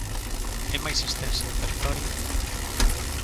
E máis extensa no territorio.